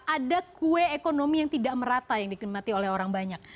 ada kue ekonomi yang tidak merata yang dikrimati oleh orang banyak